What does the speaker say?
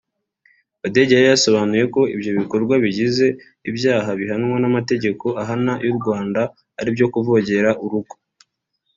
Badege yari yasobanuye ko ibyo bikorwa bigize ibyaha bihanwa n’amategeko ahana y’u Rwanda aribyo kuvogera urugo